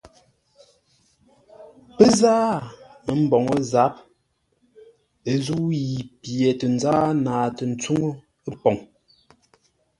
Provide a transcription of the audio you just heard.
Pə́ záa mboŋə́ zâp ə́ zə̂u yi pye tə nzáa naatə́ tsuŋə́ poŋ.